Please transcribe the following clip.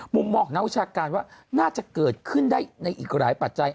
มุมมองของนักวิชาการว่าน่าจะเกิดขึ้นได้ในอีกหลายปัจจัย